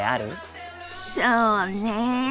そうねえ